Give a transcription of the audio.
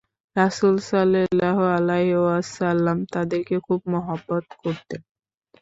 রাসূল সাল্লাল্লাহু আলাইহি ওয়াসাল্লাম তাদেরকে খুব মহব্বত করতেন।